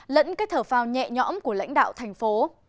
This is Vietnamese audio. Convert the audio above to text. lẫn cái thở phào nhẹ nhõm của lãnh đạo thành phố